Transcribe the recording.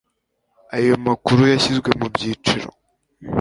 ayo makuru yashyizwe mu byiciro